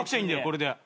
これで。